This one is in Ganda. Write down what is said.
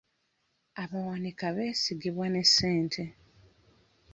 Abawanika beesigibwa ne ssente.